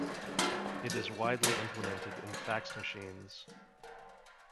It is widely implemented in fax machines.